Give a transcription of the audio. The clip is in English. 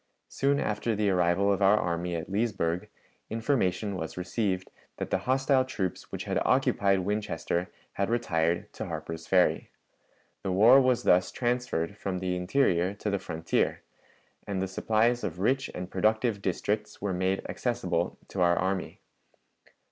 Soon after the arrival of our army at Leesburg, information was received that the hostile troops which had occupied Winchester had retired to Harper's Ferry. The war was thus transferred from the interior to the frontier, and the supplies of rich and productive districts were made accessible to our army.